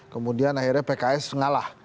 kemudian akhirnya pks ngalah